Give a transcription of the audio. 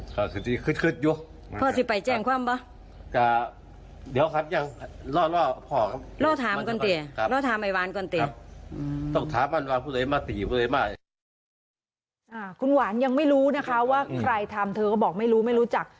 คุณหวานยังไม่รู้นะคะว่าใครทำเธอก็บอกไม่รู้ไม่รู้จัก